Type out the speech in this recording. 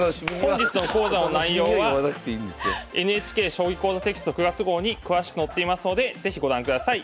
本日の講座の内容はＮＨＫ「将棋講座」テキスト９月号に詳しく載っていますので是非ご覧ください。